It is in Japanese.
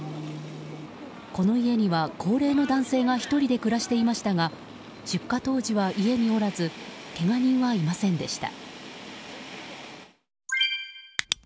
この家には高齢の男性が１人で暮らしていましたが出火当時は家におらずけが人はいませんでした。